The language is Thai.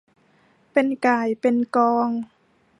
เป็นก่ายเป็นกอง